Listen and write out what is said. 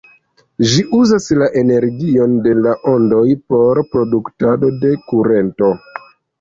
Ĝi uzas la energion de la ondoj por produktado de kurento.